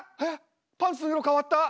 パンツの色変わった！